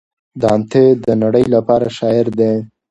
دانته د نړۍ لپاره شاعر دی.